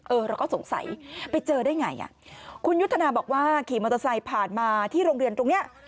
เราก็สงสัยไปเจอได้ไงอ่ะคุณยุทธนาบอกว่าขี่มอเตอร์ไซค์ผ่านมาที่โรงเรียนตรงเนี้ย